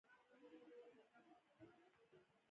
آیا د اصفهان د وسپنې فابریکه مشهوره نه ده؟